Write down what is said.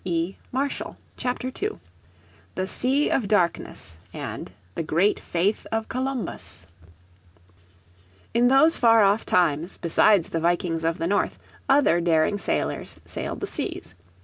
__________ Chapter 2 The Sea of Darkness and the Great Faith of Columbus In those far off times besides the Vikings of the North other daring sailors sailed the seas.